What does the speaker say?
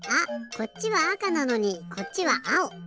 こっちはあかなのにこっちはあお！